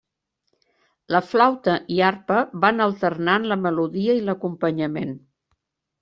La flauta i arpa van alternant la melodia i l'acompanyament.